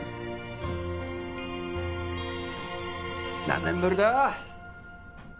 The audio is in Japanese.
何年ぶりだ？